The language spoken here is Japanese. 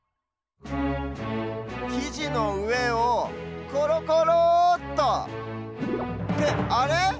きじのうえをコロコローっとってあれ？